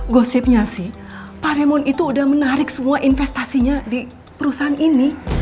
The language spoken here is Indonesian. gosipnya sih paremon itu udah menarik semua investasinya di perusahaan ini